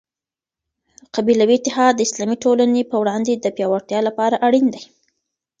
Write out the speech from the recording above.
قبیلوي اتحاد د اسلامي ټولني په وړاندي د پياوړتیا لپاره اړین دی.